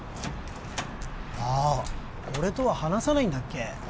ああ俺とは話さないんだっけ？